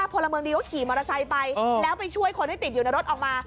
ผลเมืองดีเขาขี่มอรัศัยไปแล้วไปช่วยคนที่ติดอยู่ในรถออกมา